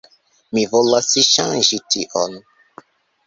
Mi volas ŝanĝi tion.